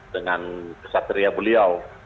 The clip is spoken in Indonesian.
dengan kesatria beliau